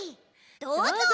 どうぞ！